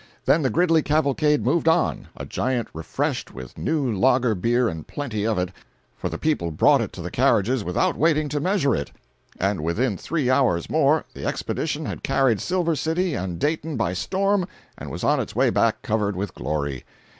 Then the Gridley cavalcade moved on, a giant refreshed with new lager beer and plenty of it—for the people brought it to the carriages without waiting to measure it—and within three hours more the expedition had carried Silver City and Dayton by storm and was on its way back covered with glory.